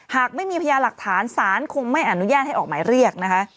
หากไม่มีพยาหลักฐานศาลคงไม่อนุญาตให้ออกหมายเรียกนะคะ